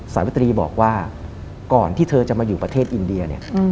หวิตรีบอกว่าก่อนที่เธอจะมาอยู่ประเทศอินเดียเนี่ย